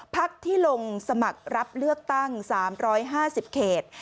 พักที่ลงสมัครรับเลือกตั้ง๓๕๐เขต